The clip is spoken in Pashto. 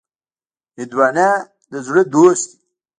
هندوانه د زړه دوست دی.